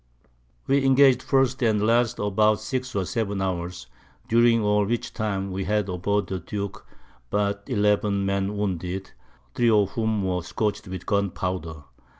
We engag'd first and last about six or seven Hours, during all which time we had aboard the Duke but eleven Men wounded, 3 of whom were scorch'd with Gun powder.